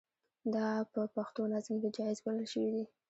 دا په پښتو نظم کې جائز بلل شوي دي.